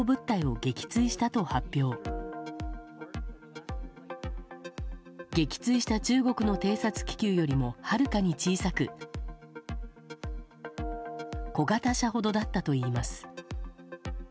撃墜した中国の偵察気球よりもはるかに小さく小型車ほどだったといいます。